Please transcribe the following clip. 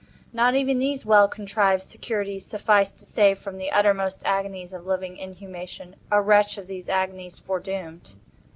Not even these well contrived securities sufficed to save from the uttermost agonies of living inhumation, a wretch to these agonies foredoomed!